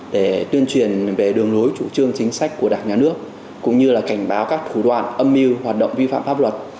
để tuyên truyền về đường lối chủ trương chính sách của đảng nhà nước cũng như là cảnh báo các thủ đoạn âm mưu hoạt động vi phạm pháp luật